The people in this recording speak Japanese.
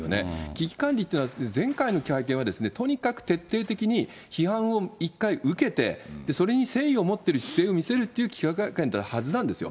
危機管理ってじゃなくて、前回の会見はとにかく徹底的に批判を一回受けて、それに誠意を持ってる姿勢を見せるって記者会のはずなんですよ。